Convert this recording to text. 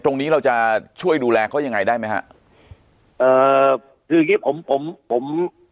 ตรงนี้เราจะช่วยดูแลเขายังไงได้ไหมฮะเอ่อคืออย่างงี้ผมผม